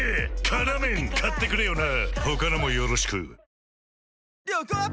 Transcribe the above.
「辛麺」買ってくれよな！